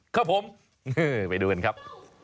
ครับผมไปดูกันครับ